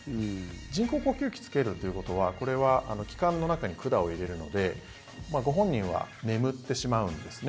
人工呼吸器をつけるということはこれは気管の中に管を入れるのでご本人は眠ってしまうんですね。